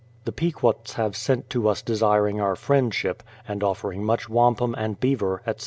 The Pequots have sent to us desiring our friendship, and offering much wampum and beaver, etc.